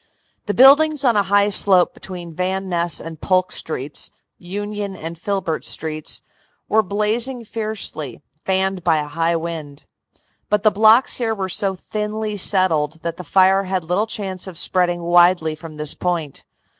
The buildings on a high slope between Van Ness and Polk Streets, Union and Filbert Streets, were blazing fiercely, fanned by a high wind, but the blocks here were so thinly settled that the fire had little chance of spreading widely from this point.